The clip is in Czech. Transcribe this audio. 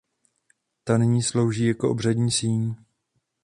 Ta nyní slouží jako obřadní síň.